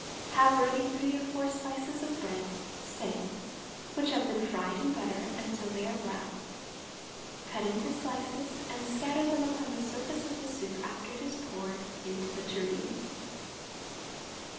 Have ready three or four slices of bread (stale) which have been fried in butter until they are brown; cut into slices and scatter them upon the surface of the soup after it is poured into the tureen.